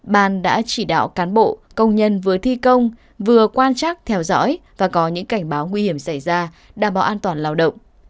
ban đã chỉ đạo cán bộ công nhân vừa thi công vừa quan chắc theo dõi và có những cảnh báo nguy hiểm xảy ra đảm bảo an toàn lao động